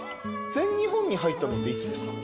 全日本に入ったのっていつですか？